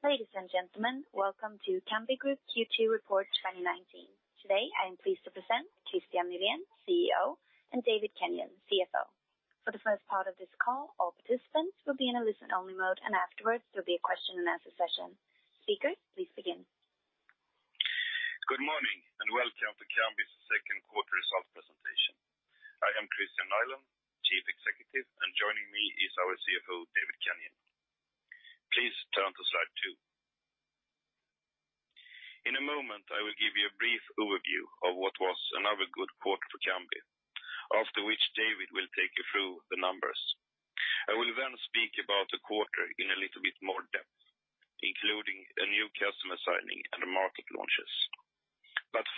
Ladies and gentlemen, welcome to Kambi Group Q2 Report 2019. Today, I am pleased to present Kristian Nylén, CEO, and David Kenyon, CFO. For the first part of this call, all participants will be in a listen-only mode, and afterwards, there will be a question-and-answer session. Speakers, please begin. Good morning, and welcome to Kambi's second quarter results presentation. I am Kristian Nylén, Chief Executive, and joining me is our CFO, David Kenyon. Please turn to slide two. In a moment, I will give you a brief overview of what was another good quarter for Kambi, after which David will take you through the numbers. I will then speak about the quarter in a little bit more depth, including a new customer signing and market launches.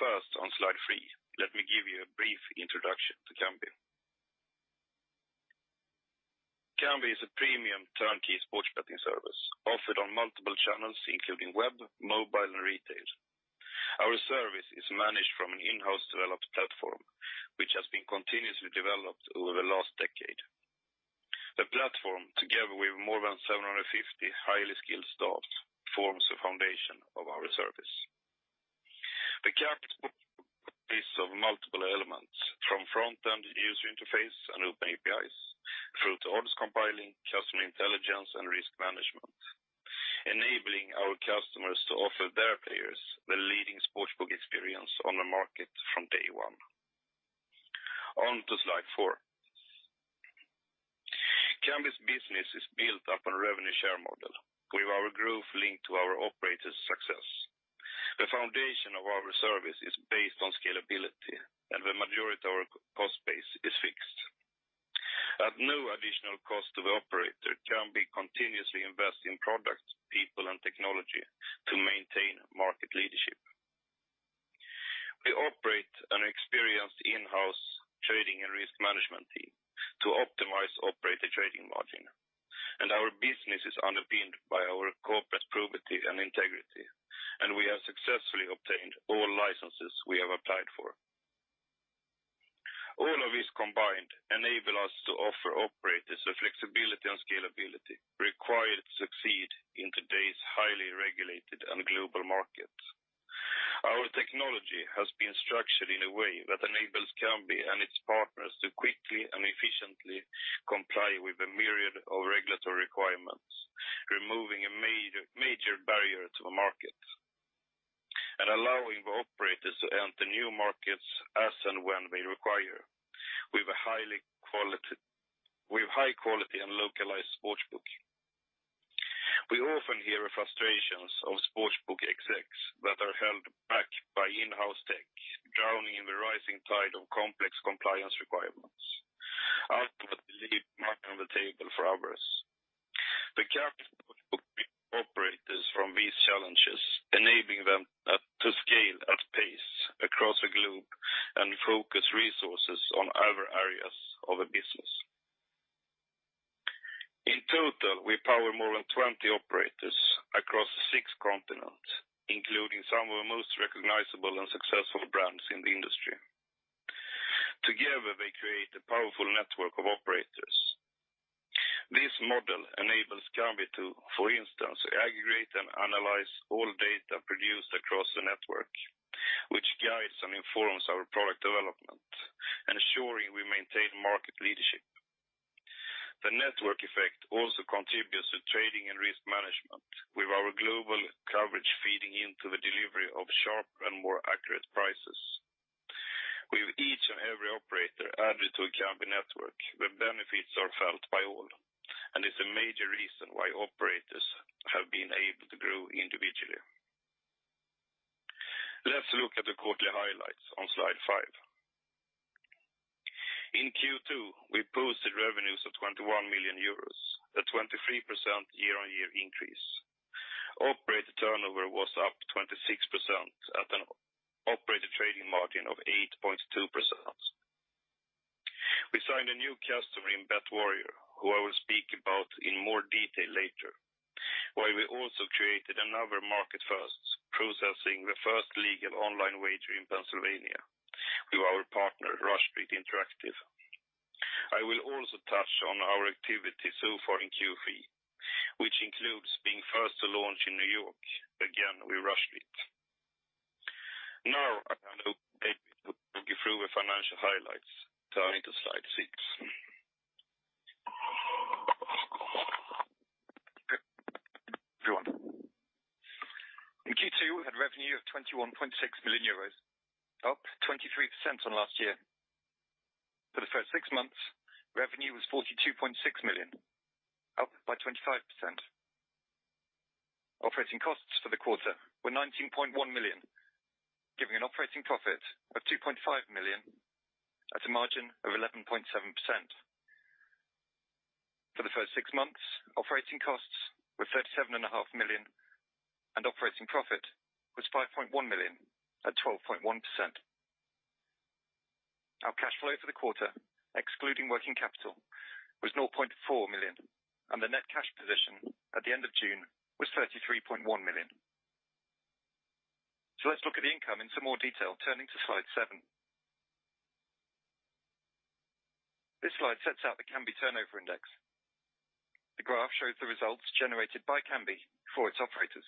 First, on slide three, let me give you a brief introduction to Kambi. Kambi is a premium turnkey sports betting service offered on multiple channels, including web, mobile, and retail. Our service is managed from an in-house developed platform, which has been continuously developed over the last decade. The platform, together with more than 750 highly skilled staff, forms the foundation of our service. The platform is of multiple elements, from front-end user interface and open APIs through to odds compiling, customer intelligence, and risk management, enabling our customers to offer their players the leading sportsbook experience on the market from day one. On to slide four. Kambi's business is built upon a revenue share model, with our growth linked to our operators' success. The foundation of our service is based on scalability, and the majority of our cost base is fixed. At no additional cost to the operator, Kambi continuously invests in products, people, and technology to maintain market leadership. We operate an experienced in-house trading and risk management team to optimize operator trading margin. Our business is underpinned by our corporate probity and integrity, and we have successfully obtained all licenses we have applied for. All of this combined enable us to offer operators the flexibility and scalability required to succeed in today's highly regulated and global market. Our technology has been structured in a way that enables Kambi and its partners to quickly and efficiently comply with a myriad of regulatory requirements, removing a major barrier to the market and allowing the operators to enter new markets as and when they require with high quality and localized sportsbook. We often hear the frustrations of sportsbook execs that are held back by in-house tech, drowning in the rising tide of complex compliance requirements, ultimately leaving money on the table for others. The platform frees operators from these challenges, enabling them to scale at pace across the globe and focus resources on other areas of the business. In total, we power more than 20 operators across six continents, including some of the most recognizable and successful brands in the industry. Together, they create a powerful network of operators. This model enables Kambi to, for instance, aggregate and analyze all data produced across the network, which guides and informs our product development, ensuring we maintain market leadership. The network effect also contributes to trading and risk management, with our global coverage feeding into the delivery of sharp and more accurate prices. With each and every operator added to a Kambi network, the benefits are felt by all and is a major reason why operators have been able to grow individually. Let's look at the quarterly highlights on slide five. In Q2, we posted revenues of 21 million euros, a 23% year-on-year increase. Operator turnover was up 26% at an operator trading margin of 8.2%. We signed a new customer in BetWarrior, who I will speak about in more detail later, while we also created another market first, processing the first legal online wager in Pennsylvania through our partner Rush Street Interactive. I will also touch on our activity so far in Q3, which includes being first to launch in New York, again with Rush Street. Now I hand over to David to walk you through the financial highlights. Turning to slide six. In Q2, we had revenue of EUR 21.6 million, up 23% on last year. For the first six months, revenue was 42.6 million, up by 25%. Operating costs for the quarter were 19.1 million, giving an operating profit of 2.5 million at a margin of 11.7%. For the first six months, operating costs were 37.5 million, and operating profit was 5.1 million at 12.1%. Our cash flow for the quarter, excluding working capital, was 0.4 million, and the net cash position at the end of June was 33.1 million. Let's look at the income in some more detail, turning to slide seven. This slide sets out the Kambi turnover index. The graph shows the results generated by Kambi for its operators.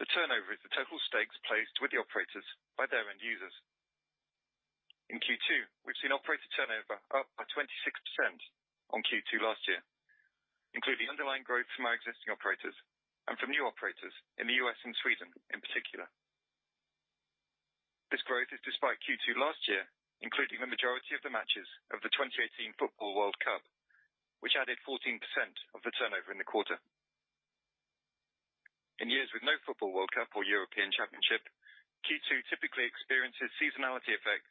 The turnover is the total stakes placed with the operators by their end users. In Q2, we've seen operator turnover up by 26% on Q2 last year, including underlying growth from our existing operators and from new operators in the US and Sweden in particular. This growth is despite Q2 last year, including the majority of the matches of the 2018 FIFA World Cup, which added 14% of the turnover in the quarter. In years with no FIFA World Cup or European Championship, Q2 typically experiences seasonality effect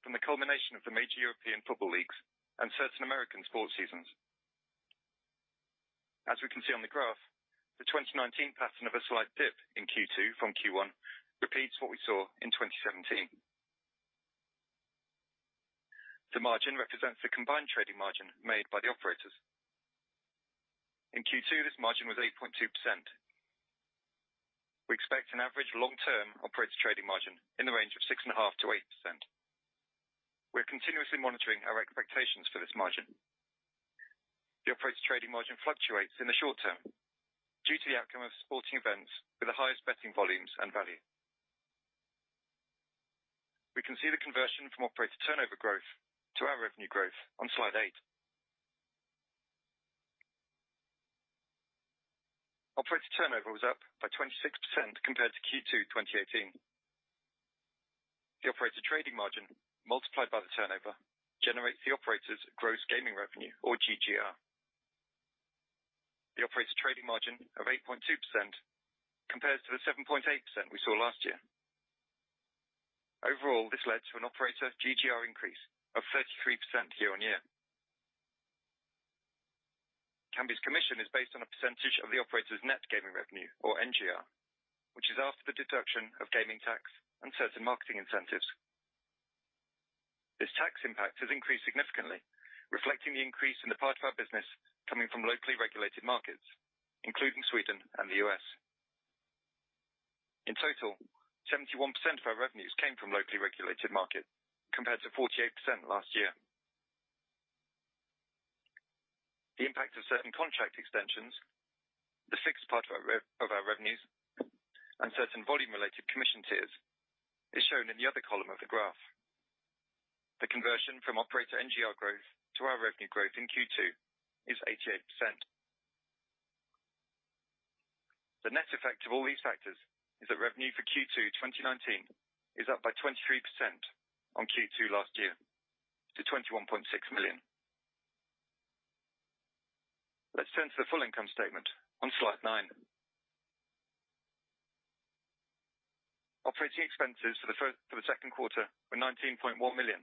from the culmination of the major European football leagues and certain American sports seasons. As we can see on the graph, the 2019 pattern of a slight dip in Q2 from Q1 repeats what we saw in 2017. The margin represents the combined trading margin made by the operators. In Q2, this margin was 8.2%. We expect an average long-term operator trading margin in the range of 6.5%-8%. We are continuously monitoring our expectations for this margin. The operator trading margin fluctuates in the short term due to the outcome of sporting events with the highest betting volumes and value. We can see the conversion from operator turnover growth to our revenue growth on slide eight. Operator turnover was up by 26% compared to Q2 2018. The operator trading margin, multiplied by the turnover, generates the operator's gross gaming revenue or GGR. The operator trading margin of 8.2% compares to the 7.8% we saw last year. Overall, this led to an operator GGR increase of 33% year-on-year. Kambi's commission is based on a percentage of the operator's net gaming revenue or NGR, which is after the deduction of gaming tax and certain marketing incentives. This tax impact has increased significantly, reflecting the increase in the part of our business coming from locally regulated markets, including Sweden and the U.S. In total, 71% of our revenues came from locally regulated market, compared to 48% last year. The impact of certain contract extensions, the fixed part of our revenues, and certain volume-related commission tiers is shown in the other column of the graph. The conversion from operator NGR growth to our revenue growth in Q2 is 88%. The net effect of all these factors is that revenue for Q2 2019 is up by 23% on Q2 last year to 21.6 million. Let's turn to the full income statement on slide nine. Operating expenses for the second quarter were 19.1 million.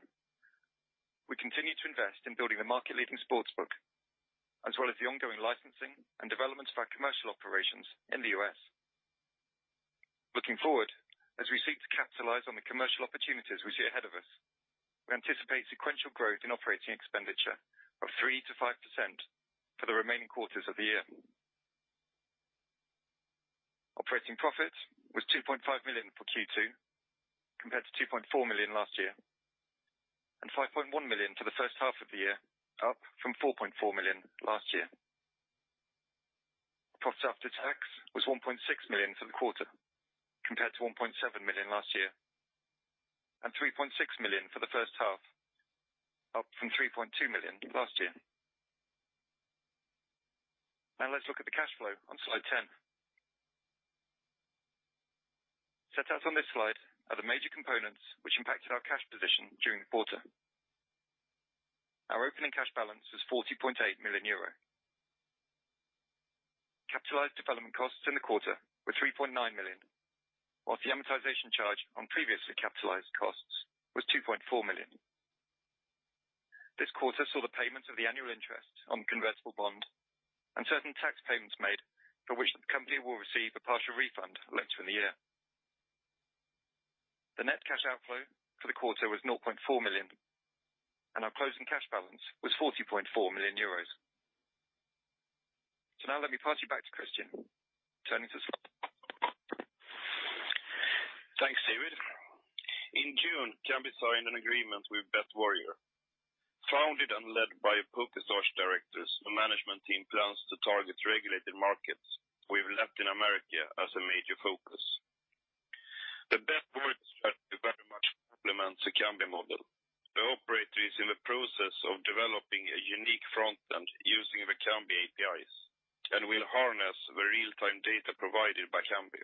We continue to invest in building a market-leading sportsbook, as well as the ongoing licensing and development of our commercial operations in the U.S. Looking forward, as we seek to capitalize on the commercial opportunities we see ahead of us, we anticipate sequential growth in operating expenditure of 3%-5% for the remaining quarters of the year. Operating profit was 2.5 million for Q2, compared to 2.4 million last year, and 5.1 million for the first half of the year, up from 4.4 million last year. Profit after tax was 1.6 million for the quarter, compared to 1.7 million last year, and 3.6 million for the first half, up from 3.2 million last year. Now let's look at the cash flow on slide 10. Set out on this slide are the major components which impacted our cash position during the quarter. Our opening cash balance was 40.8 million euro. Capitalized development costs in the quarter were 3.9 million, whilst the amortization charge on previously capitalized costs was 2.4 million. This quarter saw the payment of the annual interest on convertible bond and certain tax payments made, for which the company will receive a partial refund later in the year. The net cash outflow for the quarter was 0.4 million, and our closing cash balance was 40.4 million euros. Now let me pass you back to Kristian. Turning to slide 11. Thanks, David. In June, Kambi signed an agreement with BetWarrior. Founded and led by poker sports directors, the management team plans to target regulated markets, with Latin America as a major focus. The BetWarrior strategy very much complements the Kambi model. The operator is in the process of developing a unique front end using the Kambi APIs and will harness the real-time data provided by Kambi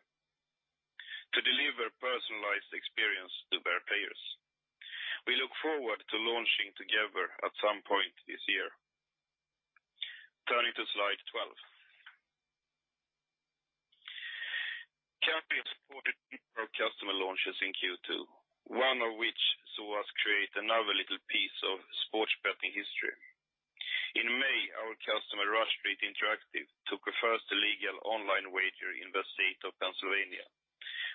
to deliver personalized experience to their players. We look forward to launching together at some point this year. Turning to slide 12. Kambi has supported customer launches in Q2, one of which saw us create another little piece of sports betting history. In May, our customer Rush Street Interactive took the first legal online wager in the state of Pennsylvania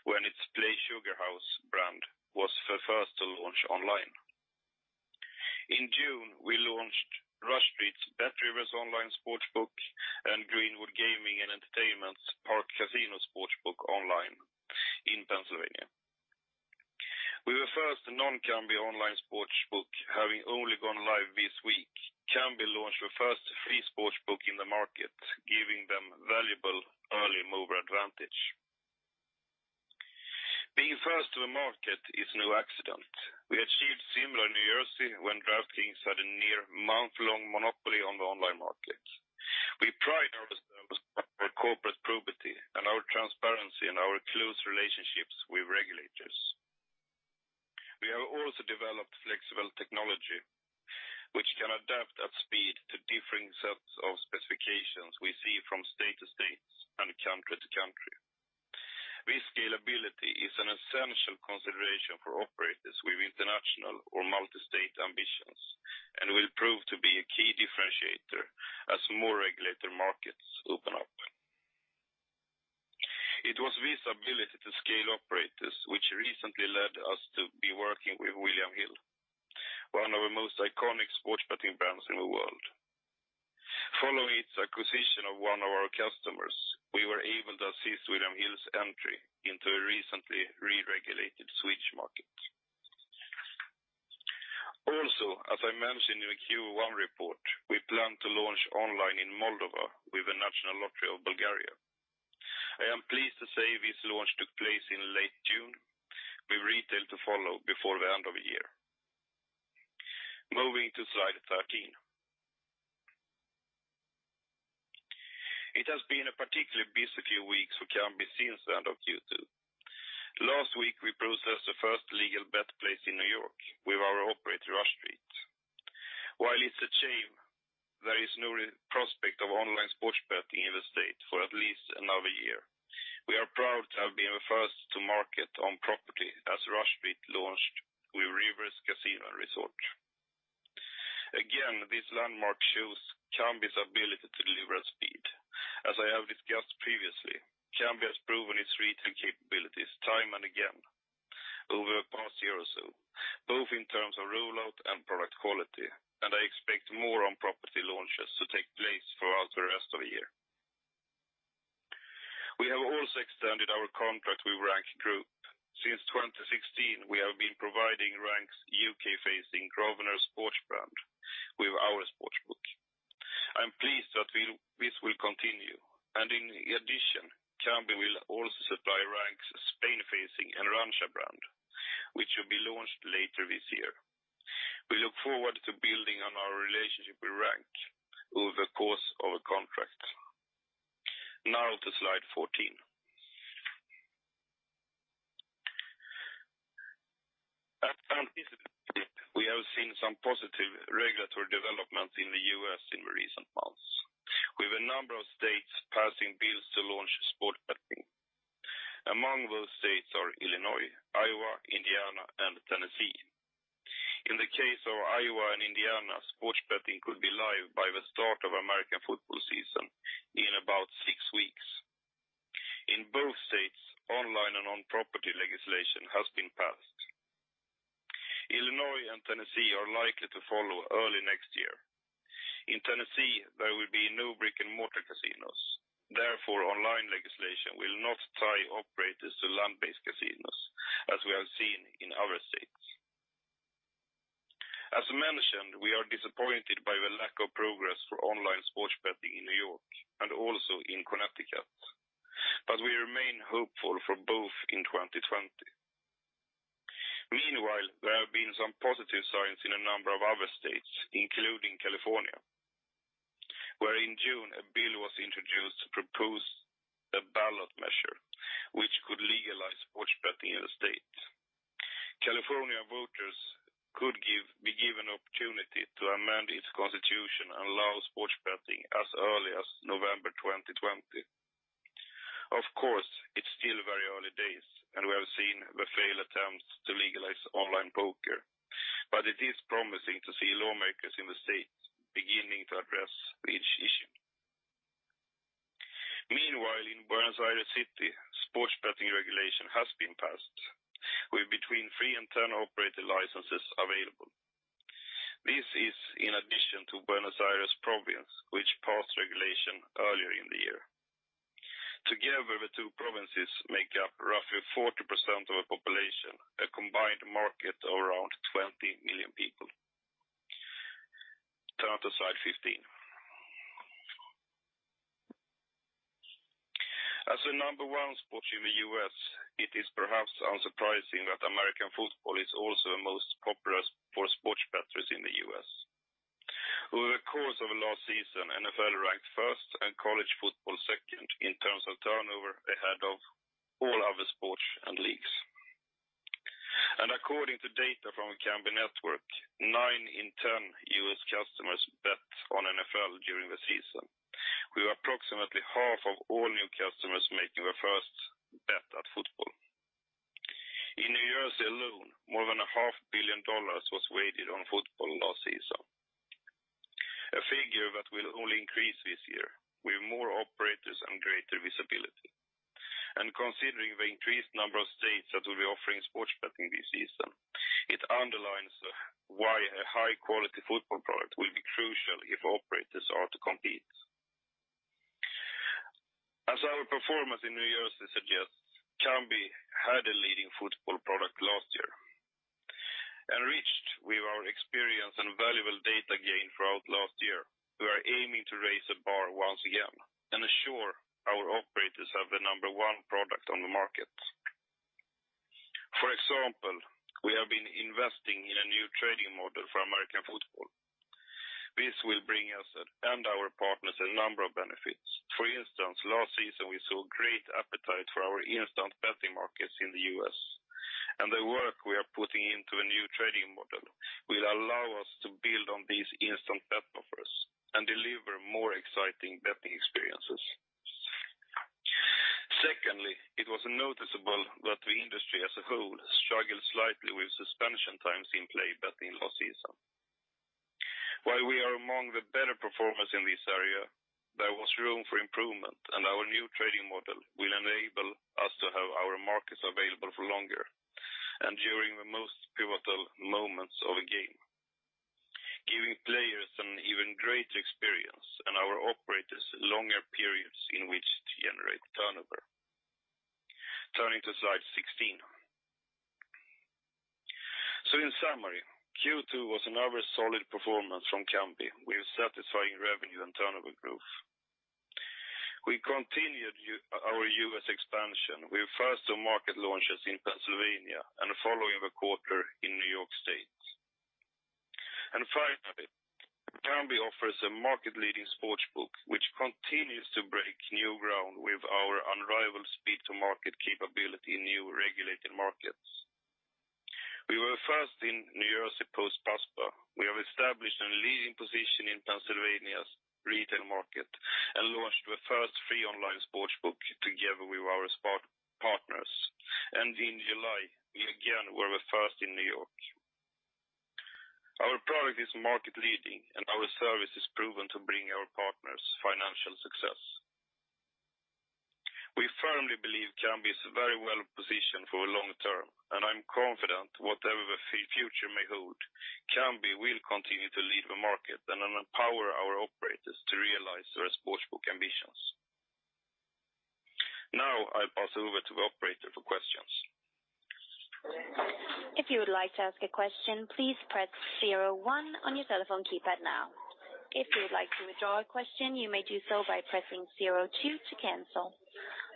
when its PlaySugarHouse brand was the first to launch online. In June Sportsbook and Greenwood Gaming and Entertainment's Parx Casino Sportsbook online in Pennsylvania. We were first non-Kambi online sportsbook, having only gone live this week. Kambi launched the first free sportsbook in the market, giving them valuable early mover advantage. Being first to the market is no accident. We achieved similar in New Jersey when DraftKings had a near month-long monopoly on the online market. We pride ourselves on our corporate probity and our transparency and our close relationships with regulators. We have also developed flexible technology, which can adapt at speed to differing sets of specifications we see from state to state and country to country. Rescalability is an essential consideration for operators with international or multi-state ambitions and will prove to be a key differentiator as more regulated markets open up. It was this ability to scale operators, which recently led us to be working with William Hill, one of the most iconic sports betting brands in the world. Following its acquisition of one of our customers, we were able to assist William Hill's entry into a recently re-regulated Swedish market. Also, as I mentioned in the Q1 report, we plan to launch online in Moldova with the National Lottery of Bulgaria. I am pleased to say this launch took place in late June, with retail to follow before the end of the year. Moving to slide 13. It has been a particularly busy few weeks for Kambi since the end of Q2. Last week, we processed the first legal bet placed in New York with our operator, Rush Street. While it's a shame there is no prospect of online sports betting in the state for at least another year, we are proud to have been the first to market on property as Rush Street launched with Rivers Casino & Resort. This landmark shows Kambi's ability to deliver at speed. As I have discussed previously, Kambi has proven its retail capabilities time and again over the past year or so, both in terms of rollout and product quality. I expect more on-property launches to take place throughout the rest of the year. We have also extended our contract with Rank Group. Since 2016, we have been providing Rank's U.K.-facing Grosvenor Sport brand with our sportsbook. I'm pleased that this will continue. In addition, Kambi will also supply Rank's Spain-facing Enracha brand, which will be launched later this year. We look forward to building on our relationship with Rank over the course of the contract. Now to slide 14. At Kambi, we have seen some positive regulatory developments in the U.S. in recent months, with a number of states passing bills to launch sports betting. Among those states are Illinois, Iowa, Indiana, and Tennessee. In the case of Iowa and Indiana, sports betting could be live by the start of American football season in about six weeks. In both states, online and on-property legislation has been passed. Illinois and Tennessee are likely to follow early next year. In Tennessee, there will be no brick-and-mortar casinos. Online legislation will not tie operators to land-based casinos, as we have seen in other states. As mentioned, we are disappointed by the lack of progress for online sports betting in New York and also in Connecticut, but we remain hopeful for both in 2020. There have been some positive signs in a number of other states, including California, where in June a bill was introduced to propose a ballot measure which could legalize sports betting in the state. California voters could be given an opportunity to amend its constitution and allow sports betting as early as November 2020. It's still very early days, and we have seen the failed attempts to legalize online poker, but it is promising to see lawmakers in the state beginning to address this issue. In Buenos Aires City, sports betting regulation has been passed, with between three and 10 operator licenses available. This is in addition to Buenos Aires Province, which passed regulation earlier in the year. Together, the two provinces make up roughly 40% of the population, a combined market of around 20 million people. Turn to slide 15. As a number one sport in the U.S., it is perhaps unsurprising that American football is also the most popular for sports bettors in the U.S. Over the course of last season, NFL ranked first and college football second in terms of turnover ahead of all other sports and leagues. According to data from the Kambi network, nine in 10 U.S. customers bet on NFL during the season, with approximately half of all new customers making their first bet at football. In New Jersey alone, more than a half-billion dollars was wagered on football last season, a figure that will only increase this year with more operators and greater visibility. Considering the increased number of states that will be offering sports betting this season, it underlines why a high-quality football product will be crucial if operators are to compete. As our performance in New Jersey suggests, Kambi had a leading football product last year. Enriched with our experience and valuable data gained throughout last year, we are aiming to raise the bar once again and ensure our operators have the number one product on the market. For example, we have been investing in a new trading model for American football. This will bring us and our partners a number of benefits. For instance, last season, we saw great appetite for our instant betting markets in the U.S., and the work we are putting into a new trading model will allow us to build on these instant bet offers and deliver more exciting betting experiences. Secondly, it was noticeable that the industry as a whole struggled slightly with suspension times in play betting last season. While we are among the better performers in this area, there was room for improvement, and our new trading model will enable us to have our markets available for longer and during the most pivotal moments of a game, giving players an even greater experience and our operators longer periods in which to generate turnover. Turning to slide 16. In summary, Q2 was another solid performance from Kambi, with satisfying revenue and turnover growth. We continued our U.S. expansion with first-to-market launches in Pennsylvania and the following quarter in New York State. Finally, Kambi offers a market-leading sports book, which continues to break new ground with our unrivaled speed-to-market capability in new regulated markets. We were first in New Jersey post-PASPA. We have established a leading position in Pennsylvania's retail market and launched the first free online sports book together with our partners. In July, we again were the first in New York. Our product is market-leading, and our service is proven to bring our partners financial success. We firmly believe Kambi is very well-positioned for the long term, and I'm confident whatever the future may hold, Kambi will continue to lead the market and empower our operators to realize their sports book ambitions. Now, I'll pass over to the operator for questions. If you would like to ask a question, please press zero one on your telephone keypad now. If you would like to withdraw a question, you may do so by pressing zero two to cancel.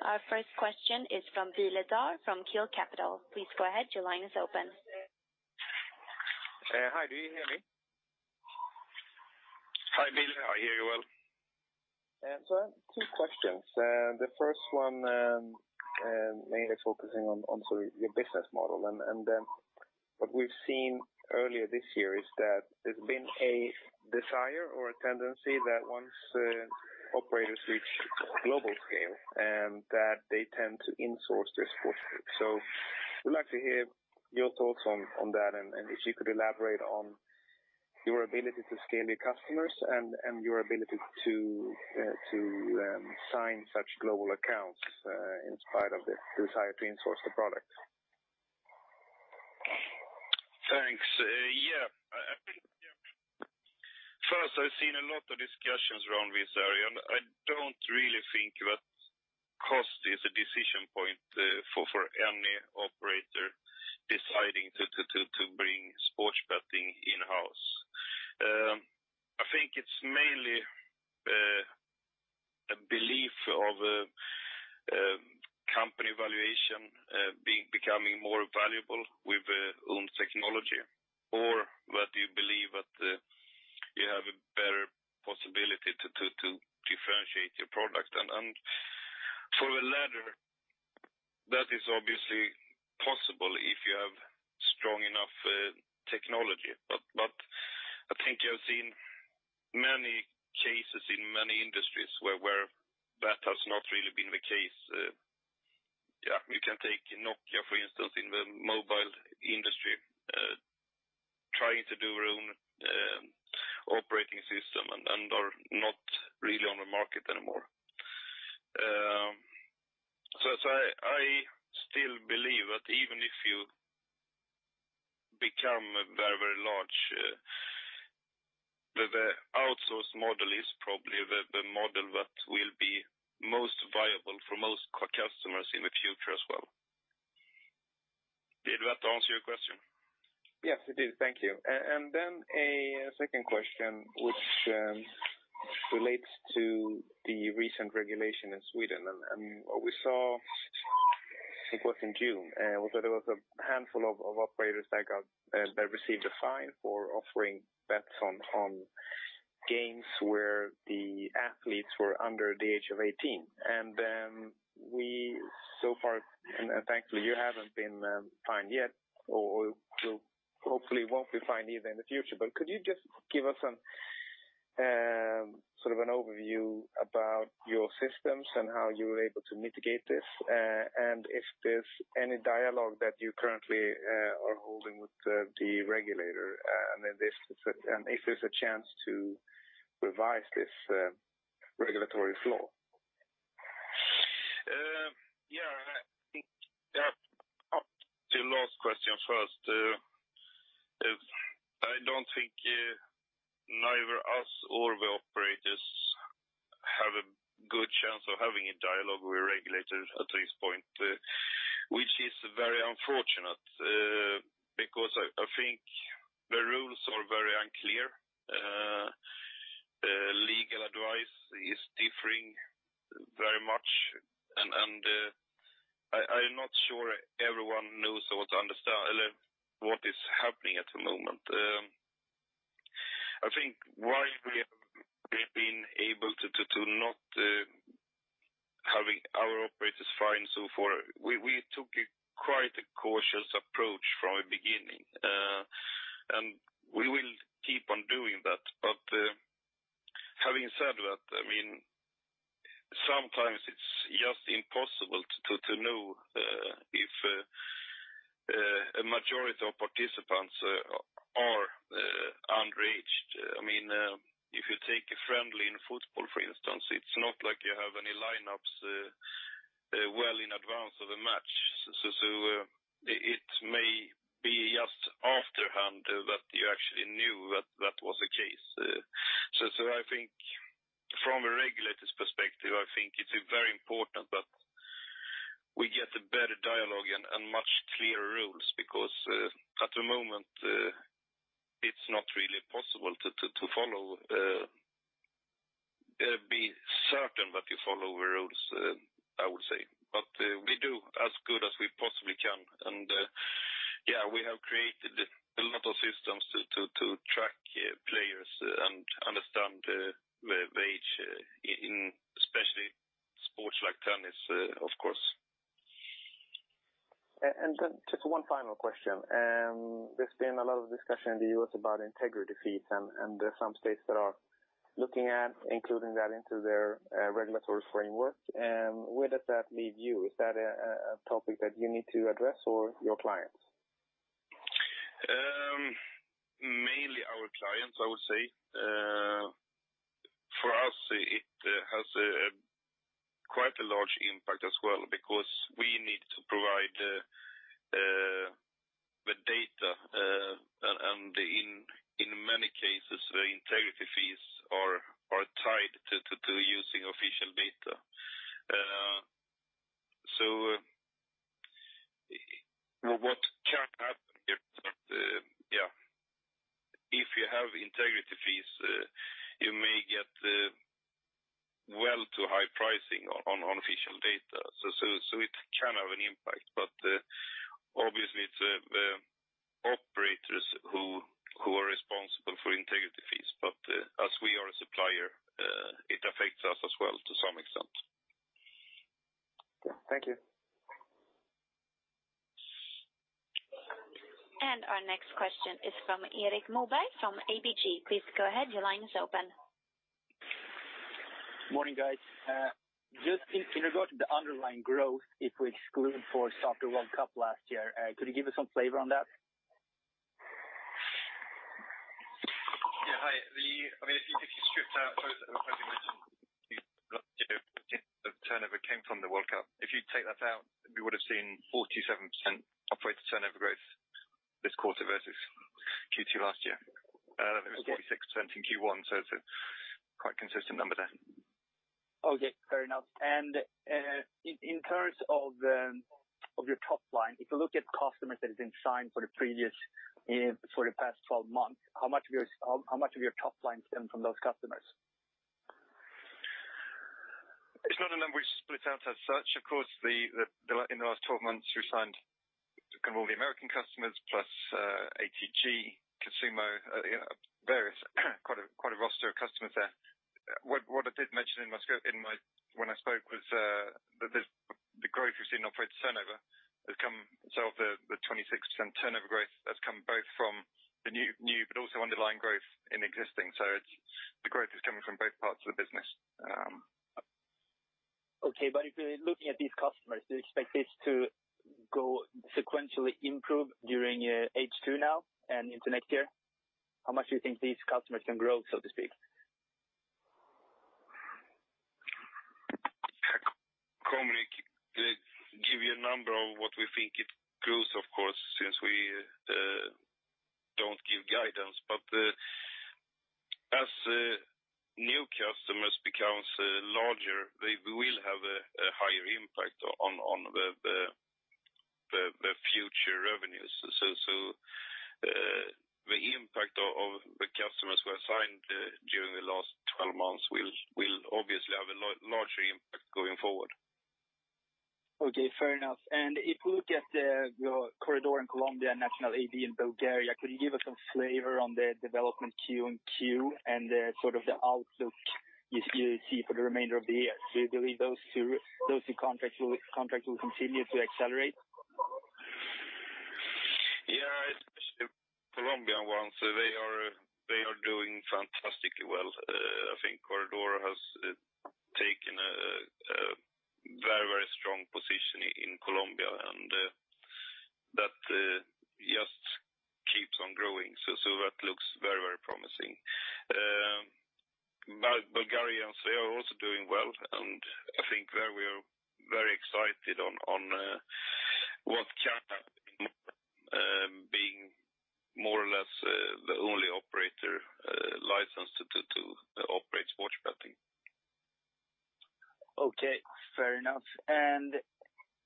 Our first question is from Bile Daar from Keel Capital. Please go ahead. Your line is open. Hi, do you hear me? Hi, Bile. I hear you well. I have two questions. The first one mainly focusing on sort of your business model. What we've seen earlier this year is that there's been a desire or a tendency that once operators reach global scale, that they tend to insource their sports book. We'd like to hear your thoughts on that, and if you could elaborate on your ability to scale your customers and your ability to sign such global accounts in spite of the desire to insource the product. Thanks. Yeah. First, I've seen a lot of discussions around this area. I don't really think that cost is a decision point for any operator deciding to bring sports betting in-house. I think it's mainly a belief of a company valuation becoming more valuable with owned technology, or that you believe that you have a better possibility to differentiate your product. For the latter, that is obviously possible if you have strong enough technology. I think you have seen many cases in many industries where that has not really been the case. You can take Nokia, for instance, in the mobile industry, trying to do their own operating system and are not really on the market anymore. I still believe that even if you become very large, the outsource model is probably the model that will be most viable for most customers in the future as well. Did that answer your question? Yes, it did. Thank you. A second question, which relates to the recent regulation in Sweden, and what we saw, I think it was in June, was that there was a handful of operators that received a fine for offering bets on games where the athletes were under the age of 18. We so far, and thankfully you haven't been fined yet, or you hopefully won't be fined either in the future, but could you just give us sort of an overview about your systems and how you were able to mitigate this, and if there's any dialogue that you currently are holding with the regulator, and if there's a chance to revise this regulatory law? Yeah. I think the last question first. I don't think neither us or the operators have a good chance of having a dialogue with regulators at this point, which is very unfortunate, because I think the rules are very unclear. Legal advice is differing very much, and I am not sure everyone knows or understand what is happening at the moment. I think why we have been able to not having our operators fined so far, we took a quite cautious approach from the beginning. We will keep on doing that. Having said that, sometimes it's just impossible to know if a majority of participants are underaged. If you take a friendly in football, for instance, it's not like you have any lineups well in advance of a match. It may be just afterhand that you actually knew that that was the case. I think from a regulator's perspective, I think it's very important that we get a better dialogue and much clearer rules because at the moment, it's not really possible to be certain that you follow the rules, I would say. We do as good as we possibly can. Yeah, we have created a lot of systems to track players and understand their age in especially sports like tennis, of course. Just one final question. There's been a lot of discussion in the U.S. about integrity fees and there are some states that are looking at including that into their regulatory framework. Where does that leave you? Is that a topic that you need to address or your clients? Mainly our clients, I would say. For us, it has quite a large impact as well because we need to provide the data. In many cases, the integrity fees are tied to using official data. What can happen here is that if you have integrity fees, you may get well too high pricing on official data. It can have an impact, but obviously it's the operators who are responsible for integrity fees. As we are a supplier, it affects us as well to some extent. Thank you. Our next question is from Erik Moberg from ABG. Please go ahead. Your line is open. Morning, guys. Just in regard to the underlying growth, if we exclude for FIFA World Cup last year, could you give us some flavor on that? Yeah. Hi. If you stripped out both EUR 15 million the turnover came from the World Cup. If you take that out, we would have seen 47% operator turnover growth this quarter versus Q2 last year. It was 46% in Q1, it's a quite consistent number there. Okay, fair enough. In terms of your top line, if you look at customers that have been signed for the past 12 months, how much of your top line stem from those customers? It's not a number we split out as such. Of course, in the last 12 months, we signed kind of all the American customers plus ATG, Consumo, various, quite a roster of customers there. What I did mention when I spoke was that the growth we've seen operator turnover has come both from the new but also underlying growth in existing. The growth is coming from both parts of the business. Okay, if you're looking at these customers, do you expect this to sequentially improve during H2 now and into next year? How much do you think these customers can grow, so to speak? I can't give you a number of what we think it grows, of course, since we don't give guidance. As new customers becomes larger, they will have a higher impact on the future revenues. The impact of the customers who are signed during the last 12 months will obviously have a larger impact going forward. Okay, fair enough. If you look at your Corredor in Colombia, National Lottery in Bulgaria, could you give us some flavor on the development Q&Q and the sort of the outlook you see for the remainder of the year? Do you believe those two contracts will continue to accelerate? Yeah, especially Colombian ones. They are doing fantastically well. I think Corredor has taken a very strong position in Colombia, keeps on growing. That looks very promising. Bulgarians, they are also doing well, and I think there we are very excited on what can happen being more or less the only operator licensed to operate sports betting. Okay, fair enough.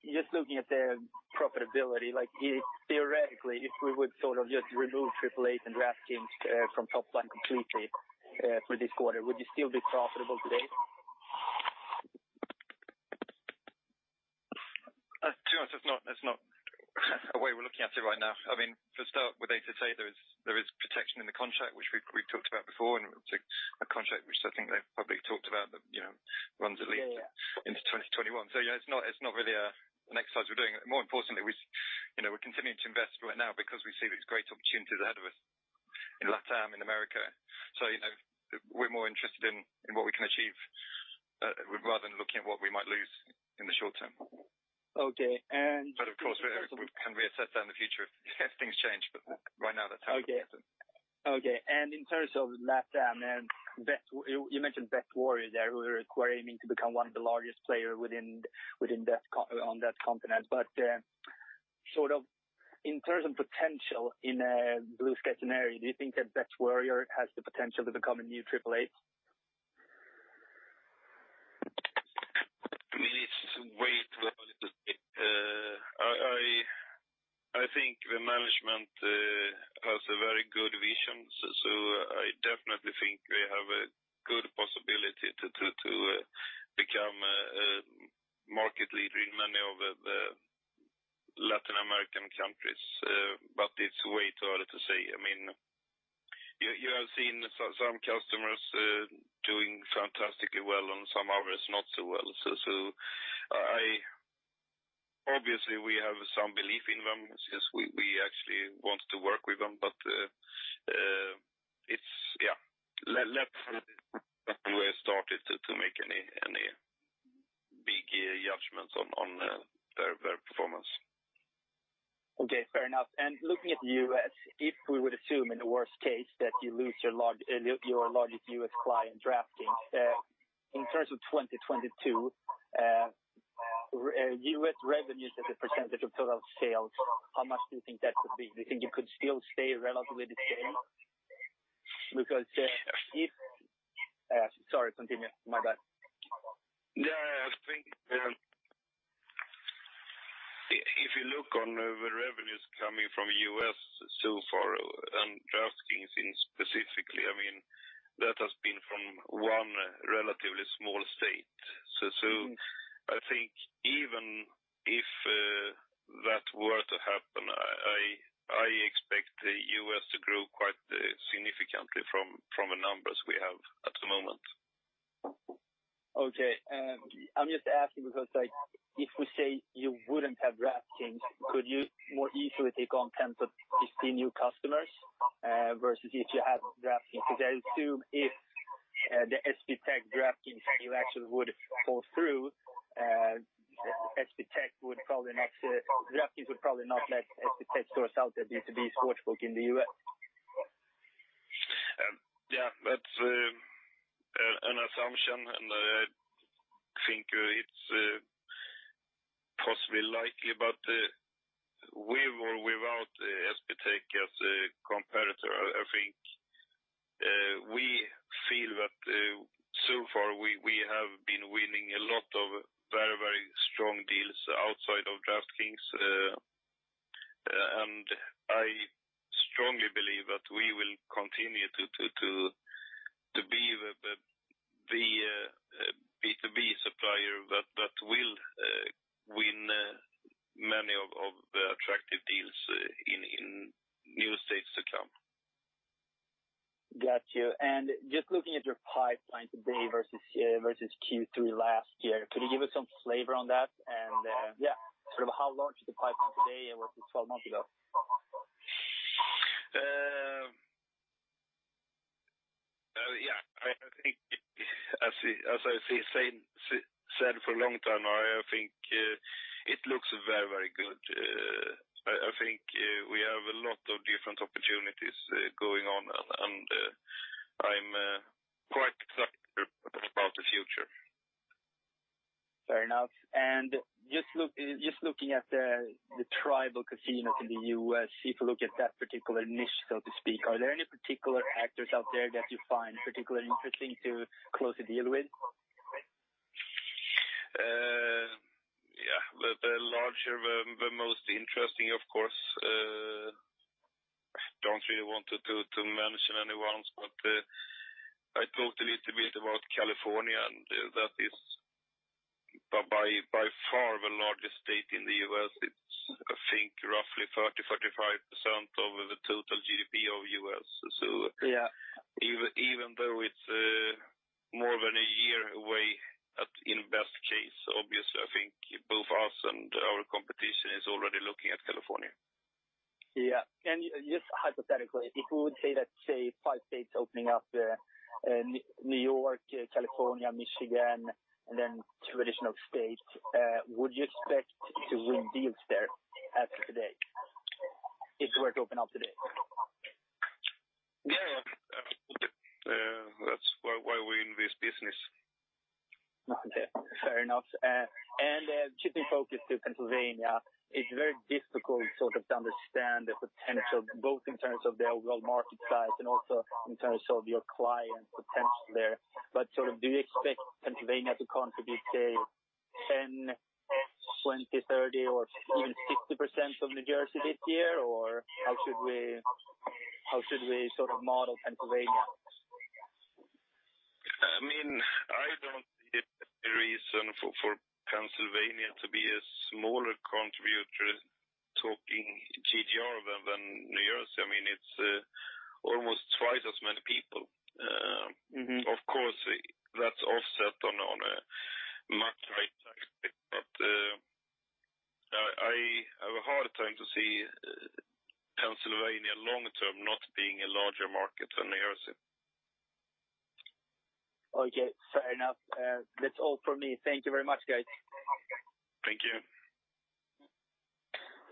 Just looking at the profitability, theoretically, if we would just remove 888 and DraftKings from top line completely for this quarter, would you still be profitable today? To be honest, that's not a way we're looking at it right now. I mean, to start with ATG, there is protection in the contract, which we've talked about before. It's a contract which I think they've probably talked about that runs at least into 2021. It's not really an exercise we're doing. More importantly, we're continuing to invest right now because we see these great opportunities ahead of us in LATAM, in America. We're more interested in what we can achieve, rather than looking at what we might lose in the short term. Okay. Of course, we can reassess that in the future if things change. Right now, that's how we see it. Okay. In terms of LATAM, you mentioned BetWarrior there, who are aiming to become one of the largest players on that continent. In terms of potential in a blue-sky scenario, do you think that BetWarrior has the potential to become a new 888? I mean, it's way too early to say. I think the management has a very good vision. I definitely think they have a good possibility to become a market leader in many of the Latin American countries. It's way too early to say. You have seen some customers doing fantastically well and some others not so well. Obviously, we have some belief in them since we actually want to work with them. Let's see how they get started to make any big judgments on their performance. Okay, fair enough. Looking at the U.S., if we would assume in the worst case that you lose your largest U.S. client, DraftKings. In terms of 2022, U.S. revenues as a % of total sales, how much do you think that could be? Do you think you could still stay relatively the same? Sorry, continue, my bad. I think if you look on the revenues coming from U.S. so far and DraftKings specifically, that has been from one relatively small state. I think even if that were to happen, I expect the U.S. to grow quite significantly from the numbers we have at the moment. Okay. I'm just asking because if we say you wouldn't have DraftKings, could you more easily take on 10-15 new customers versus if you had DraftKings? Because I assume if the SBTech DraftKings deal actually would pull through, DraftKings would probably not let SBTech go and sell their B2B sportsbook in the U.S. Yeah, that's an assumption, and I think it's possibly likely. With or without SBTech as a competitor, I think we feel that so far we have been winning a lot of very strong deals outside of DraftKings, and I strongly believe that we will continue to be the B2B supplier that will win many of the attractive deals in new states to come. Got you. Just looking at your pipeline today versus Q3 last year, could you give us some flavor on that? How large is the pipeline today and versus 12 months ago? Yeah. I think as I said for a long time, I think it looks very good. I think we have a lot of different opportunities going on, and I'm quite excited about the future. Fair enough. Just looking at the tribal casinos in the U.S., if you look at that particular niche, so to speak, are there any particular actors out there that you find particularly interesting to close a deal with? Yeah. The larger, the most interesting, of course. Don't really want to mention anyone, but I talked a little bit about California, and that is by far the largest state in the U.S. It's, I think, roughly 30%-45% of the total GDP of U.S. Yeah. Even though it's more than a year away in best case, obviously, I think both us and our competition is already looking at California. Yeah. Just hypothetically, if we would say that, say five states opening up, New York, California, Michigan, and then two additional states, would you expect to win deals there as of today? If they were to open up today. Okay, fair enough. Keeping focus to Pennsylvania, it is very difficult sort of to understand the potential, both in terms of the overall market size and also in terms of your client potential there. Sort of, do you expect Pennsylvania to contribute, say 10%, 20%, 30% or even 60% of New Jersey this year? How should we sort of model Pennsylvania? I don't see any reason for Pennsylvania to be a smaller contributor talking GGR than New Jersey. It's almost twice as many people. Of course, that's offset on a much greater aspect. But I have a hard time to see Pennsylvania long-term not being a larger market than New Jersey. Okay. Fair enough. That's all from me. Thank you very much, guys. Thank you.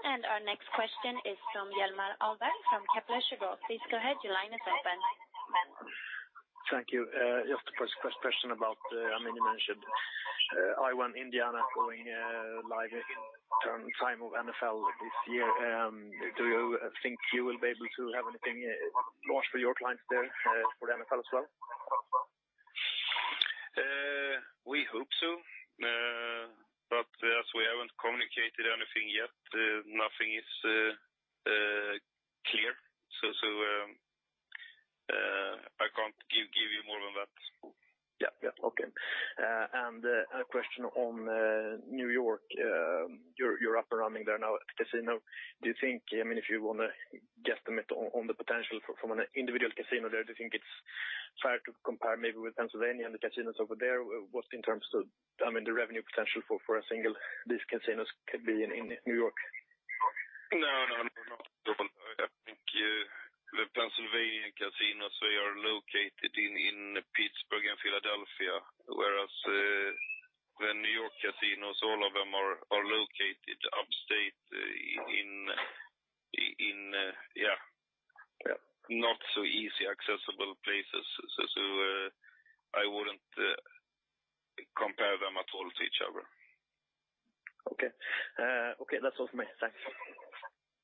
Our next question is from Hjalmar Ahlberg from Kepler Cheuvreux. Please go ahead. Your line is open. Thank you. Just a first question about, you mentioned Iowa and Indiana going live in time of NFL this year. Do you think you will be able to have anything launched for your clients there for the NFL as well? We hope so. As we haven't communicated anything yet, nothing is clear, so I can't give you more on that. Yeah. Okay. A question on N.Y. You're up and running there now at the casino. Do you think, if you want to guesstimate on the potential from an individual casino there, do you think it's fair to compare maybe with Pennsylvania and the casinos over there? What's in terms of the revenue potential for a single these casinos could be in N.Y.? No, not at all. I think the Pennsylvania casinos way are located in Pittsburgh and Philadelphia, whereas the New York casinos, all of them are located upstate in, not so easy accessible places. I wouldn't compare them at all to each other. Okay. That's all from me. Thanks.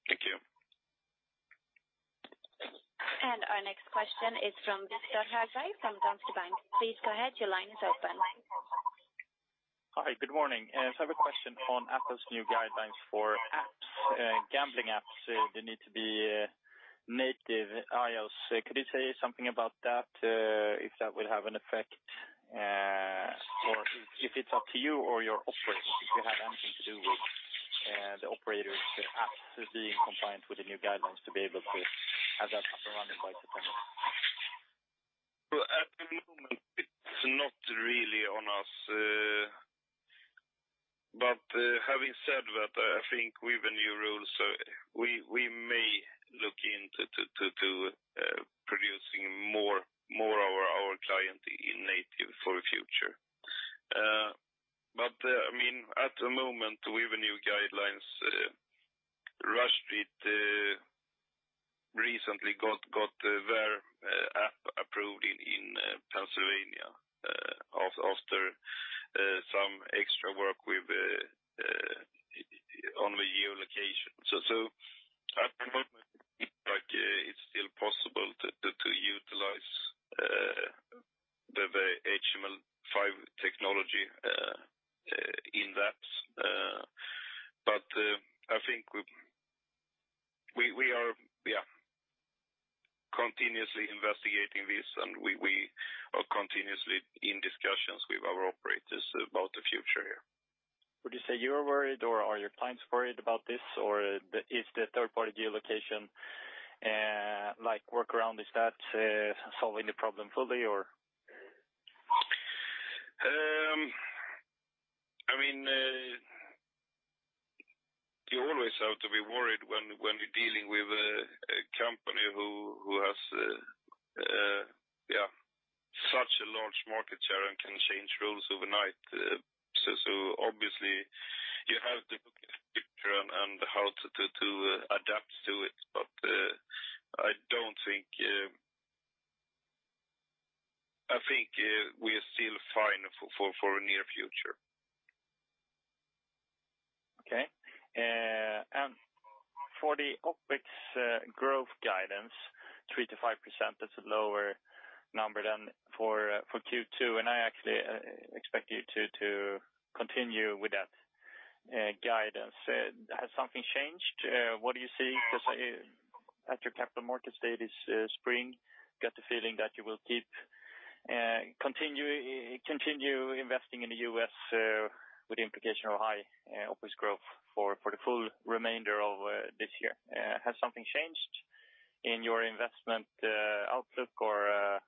Thank you. Our next question is from Viktor Högberg from Danske Bank. Please go ahead. Your line is open. Hi, good morning. I have a question on Apple's new guidelines for apps. Gambling apps, they need to be native iOS. Could you say something about that, if that will have an effect? Or if it's up to you or your operators, if you have anything to do with the operators apps being compliant with the new guidelines to be able to have that up and running by September? At the moment it's not really on us. Having said that, I think with the new rules, we may look into producing more of our client in native for the future. At the moment with the new guidelines, Rush Street recently got their app approved in Pennsylvania after some extra work on the geolocation. At the moment, it's still possible to utilize the HTML5 technology in that. I think we are continuously investigating this, and we are continuously in discussions with our operators about the future here. Would you say you are worried or are your clients worried about this? Is the third-party geolocation workaround, is that solving the problem fully or? You always have to be worried when you're dealing with a company who has such a large market share and can change rules overnight. Obviously you have to look at the picture and how to adapt to it. I think we are still fine for near future. Okay. For the OpEx growth guidance, 3%-5%, that's a lower number than for Q2, and I actually expect you to continue with that guidance. Has something changed? What do you see? At your capital markets date this spring, got the feeling that you will continue investing in the U.S. with the implication of high OpEx growth for the full remainder of this year. Has something changed in your investment outlook or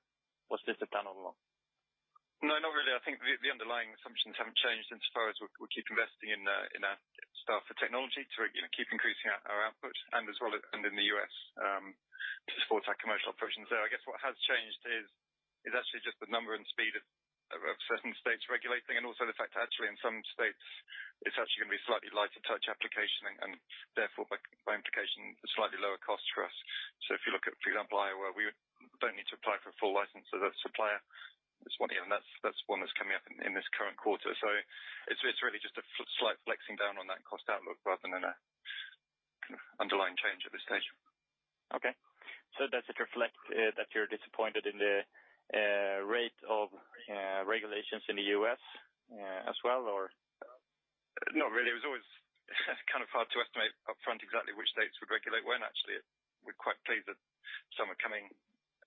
was this a one-off? No, not really. I think the underlying assumptions haven't changed insofar as we keep investing in our staff for technology to keep increasing our output, and as well in the U.S. to support our commercial operations there. I guess what has changed is actually just the number and speed of certain states regulating and also the fact that actually in some states it's actually going to be slightly lighter touch application and therefore by implication, a slightly lower cost for us. If you look at, for example, Iowa, we don't need to apply for a full license as a supplier. That's one that's coming up in this current quarter. It's really just a slight flexing down on that cost outlook rather than an underlying change at this stage. Okay. Does it reflect that you're disappointed in the rate of regulations in the U.S. as well or? Not really. It was always kind of hard to estimate upfront exactly which states would regulate when actually we're quite pleased that some are coming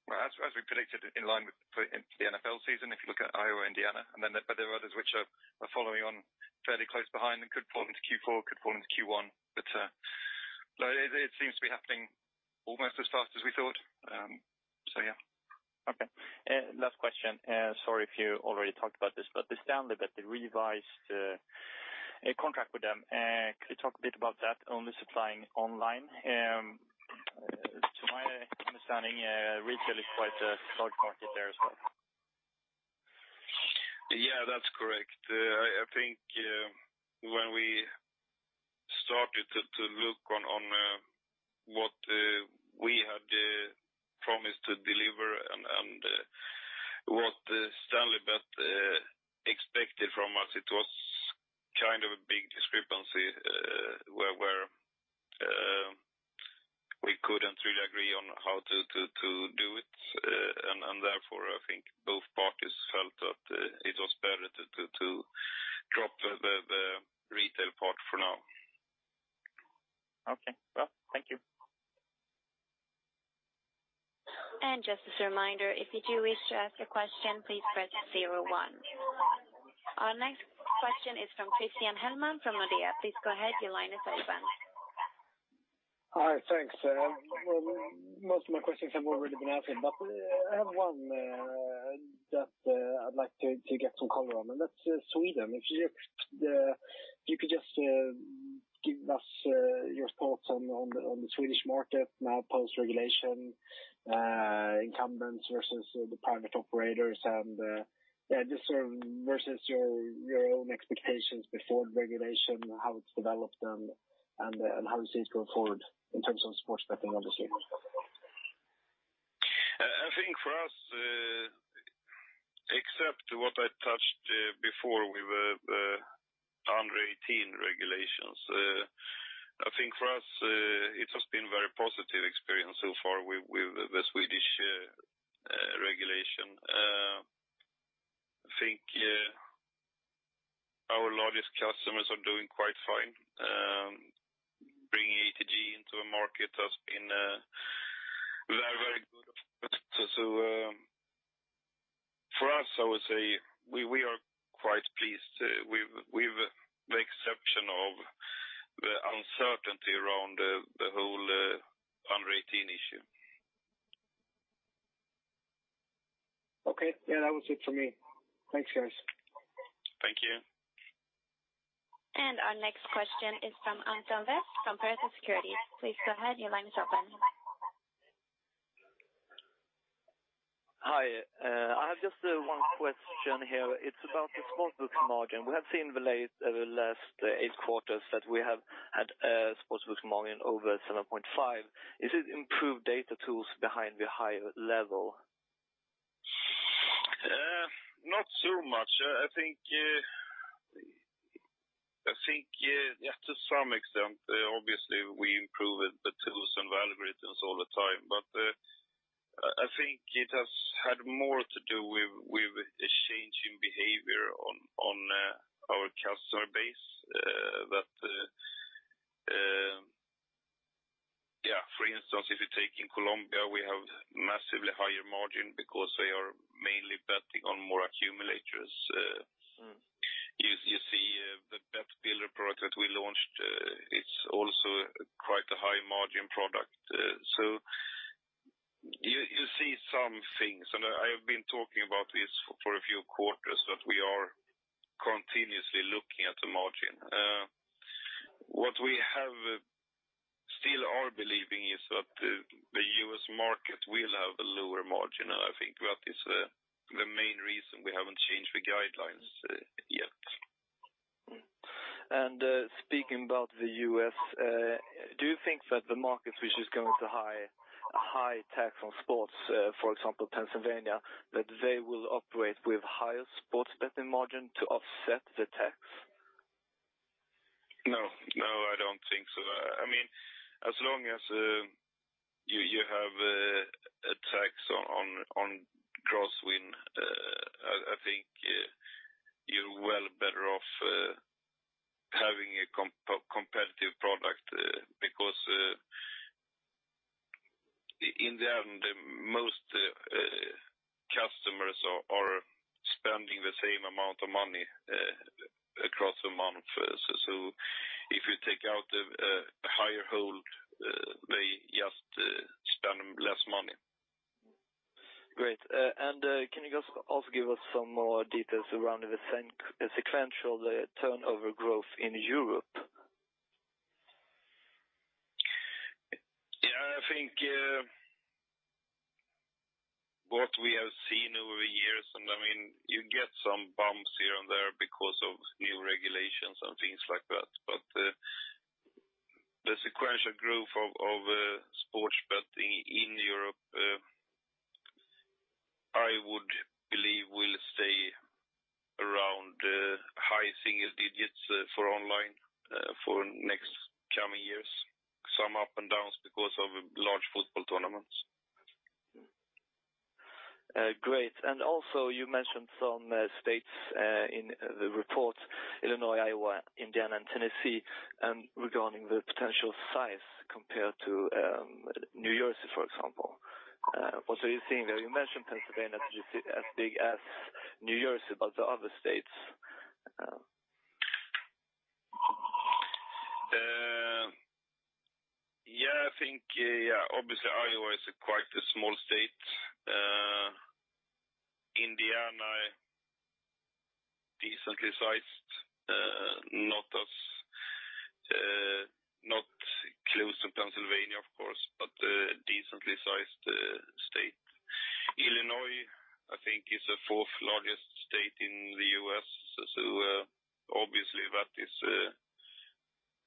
as we predicted, in line with the NFL season. If you look at Iowa, Indiana and then there are others which are following on fairly close behind and could fall into Q4, could fall into Q1, but it seems to be happening almost as fast as we thought. Yeah. Okay. Last question. Sorry if you already talked about this, but the Stanleybet, the revised contract with them. Could you talk a bit about that only supplying online? To my understanding, retail is quite a large market there as well. Yeah, that's correct. I think when we started to look on what we had promised to deliver and what Stanleybet expected from us, it was kind of a big discrepancy, where we couldn't really agree on how to do it. Therefore, I think both parties felt that it was better to drop the retail part for now. Okay. Well, thank you. Just as a reminder, if you do wish to ask a question, please press zero one. Our next question is from Christian Hellman, from Nordea. Please go ahead. Your line is open. Hi. Thanks. Well, most of my questions have already been answered. I have one that I'd like to get some color on, and that's Sweden. If you could just give us your thoughts on the Swedish market now post-regulation, incumbents versus the private operators and just sort of versus your own expectations before the regulation, how it's developed and how you see it going forward in terms of sports betting on the scene. I think for us, except what I touched before with the under 18 regulations, I think for us it has been very positive experience so far with the Swedish regulation. I think our largest customers are doing quite fine. Bringing ATG into a market has been very good. For us, I would say we are quite pleased with the exception of the uncertainty around the whole under 18 issue. Okay. Yeah, that was it for me. Thanks, guys. Thank you. Our next question is from Anton Wester from Pareto Securities. Please go ahead. Your line is open. Hi. I have just one question here. It's about the sportsbooks margin. We have seen the last eight quarters that we have had a sportsbooks margin over 7.5%. Is it improved data tools behind the higher level? Not so much. I think to some extent, obviously, we improve the tools and algorithms all the time, but I think it has had more to do with a change in behavior on our customer base. Yeah, for instance, if you take in Colombia, we have massively higher margin because they are mainly betting on more accumulators. You see the Bet Builder product that we launched, it's also quite a high margin product. You see some things, and I have been talking about this for a few quarters, that we are continuously looking at the margin. What we have still are believing is that the U.S. market will have a lower margin. I think that is the main reason we haven't changed the guidelines yet. Speaking about the U.S., do you think that the markets which is going to high tax on sports, for example, Pennsylvania, that they will operate with higher sports betting margin to offset the tax? No, I don't think so. As long as you have a tax on gross win, I think you're well better off having a competitive product, because in the end, most customers are spending the same amount of money across the month. If you take out a higher hold, they just spend less money. Great. Can you just also give us some more details around the sequential turnover growth in Europe? What we have seen over years, you get some bumps here and there because of new regulations and things like that. The sequential growth of sports betting in Europe, I would believe will stay around high single digits for online for next coming years. Some up and downs because of large football tournaments. Great. Also you mentioned some states in the report, Illinois, Iowa, Indiana, and Tennessee, regarding the potential size compared to New Jersey, for example. Also you mentioned Pennsylvania as big as New Jersey, the other states? Yeah, I think, obviously Iowa is quite a small state. Indiana, decently sized, not close to Pennsylvania, of course, but a decently sized state. Illinois, I think is the fourth largest state in the U.S., so obviously that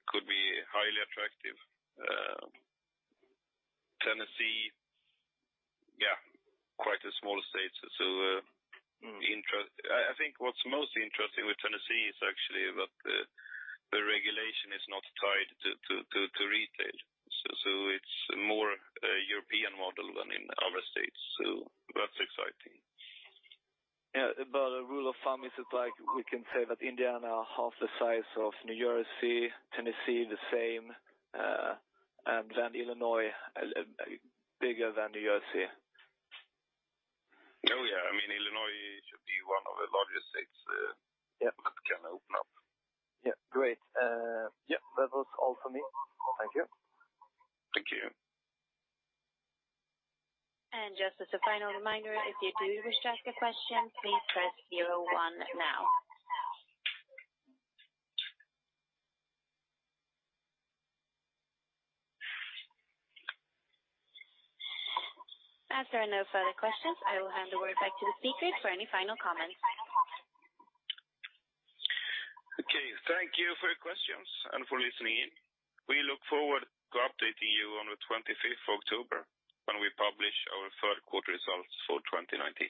could be highly attractive. Tennessee, quite a small state. I think what's most interesting with Tennessee is actually that the regulation is not tied to retail. It's more a European model than in other states. That's exciting. Yeah. A rule of thumb, is it like we can say that Indiana half the size of New Jersey, Tennessee the same, and then Illinois bigger than New Jersey? Oh, yeah. Illinois should be one of the largest states that can open up. Yeah. Great. That was all for me. Thank you. Thank you. Just as a final reminder, if you do wish to ask a question, please press zero one now. As there are no further questions, I will hand the word back to the speakers for any final comments. Okay. Thank you for your questions and for listening in. We look forward to updating you on the 25th of October when we publish our third quarter results for 2019.